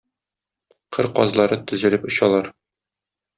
Кыр казлары тезелеп очалар.